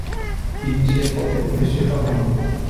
তিনি সে পদে অধিষ্ঠিত হন।